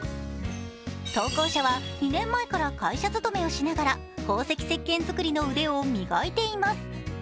投稿者は２年前から会社勤めをしながら宝石石鹸作りの腕を磨いています。